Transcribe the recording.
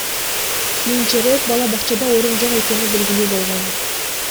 Кийинчерээк бала бакчада орун жок экени белгилүү болгон.